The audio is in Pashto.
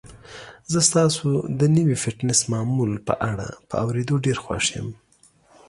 زه ستاسو د نوي فټنس معمول په اړه په اوریدو ډیر خوښ یم.